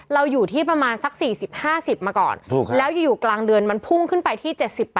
อยู่ที่ประมาณสัก๔๐๕๐มาก่อนแล้วอยู่กลางเดือนมันพุ่งขึ้นไปที่๗๘